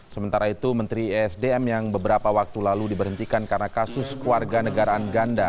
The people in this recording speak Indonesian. sementara itu menteri esdm yang beberapa waktu lalu diberhentikan karena kasus keluarga negaraan ganda